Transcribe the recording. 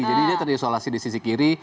jadi dia terisolasi di sisi kiri